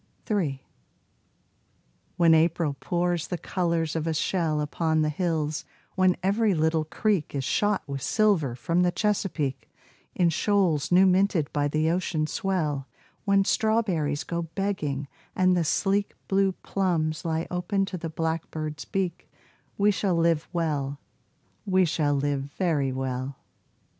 3 When April pours the colors of a shell Upon the hills, when every little creek Is shot with silver from the Chesapeake In shoals new minted by the ocean swell, When strawberries go begging, and the sleek Blue plums lie open to the blackbird's beak, We shall live well we shall live very well.